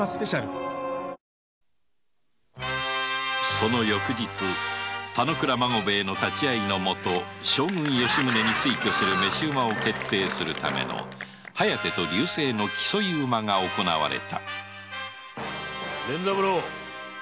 その翌日田之倉孫兵衛の立ち会いのもと将軍・吉宗に推挙する召馬を決定するための「疾風」と「流星」の競い馬が行われた連三郎